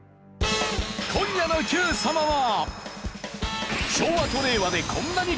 今夜の『Ｑさま！！』は。